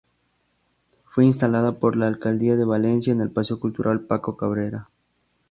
Fue instalada por la alcaldía de Valencia en el paseo cultural Paco Cabrera.